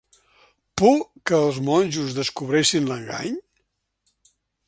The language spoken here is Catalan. ¿Por que els monjos descobreixin l'engany?